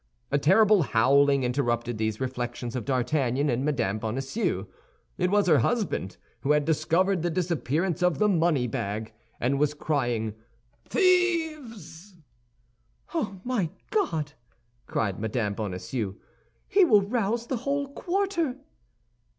A terrible howling interrupted these reflections of D'Artagnan and Mme. Bonacieux. It was her husband, who had discovered the disappearance of the moneybag, and was crying "Thieves!" "Oh, my God!" cried Mme. Bonacieux, "he will rouse the whole quarter."